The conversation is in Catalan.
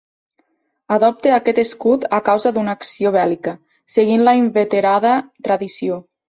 Adopte aquest escut a causa d'una acció bèl·lica, seguint la inveterada tradició.